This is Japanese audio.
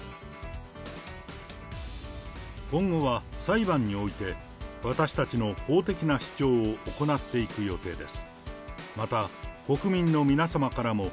今後は、裁判において私たちの法的な主張を行っていく予定です。